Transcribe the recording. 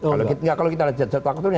kalau kita jajah waktu itu